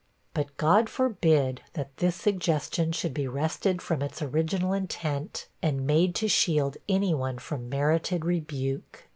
But God forbid that this suggestion should be wrested from its original intent, and made to shield any one from merited rebuke!